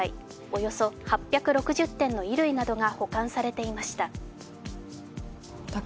およそ８６０点の衣類などが保管されていました。